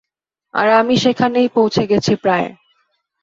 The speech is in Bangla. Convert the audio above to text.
আর আমি সেখানেই পৌঁছে গেছি প্রায়।